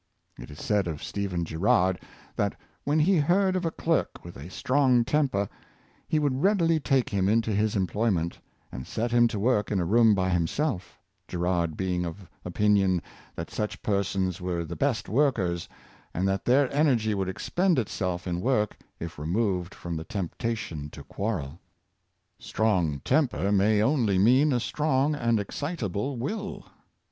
It is said of Stephen Girard that when he heard of a clerk with a strong temper, he would readily take him into his employment, and set him to work in a room by himself, Girard being of opin ion that such persons were the best workers, and that their energy would expend itself in work if removed from the temptation to quarrel. Strong temper ma}^ only mean a strong and excita ble will.